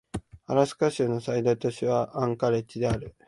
アラスカ州の最大都市はアンカレッジである